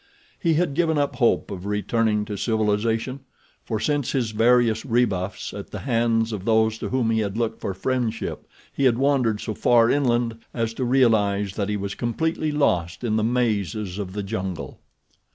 He had given up hope of returning to civilization, for since his various rebuffs at the hands of those to whom he had looked for friendship he had wandered so far inland as to realize that he was completely lost in the mazes of the jungle.